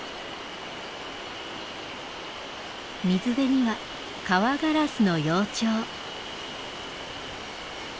水辺にはカワガラスの幼鳥。